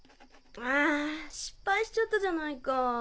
あ失敗しちゃったじゃないか。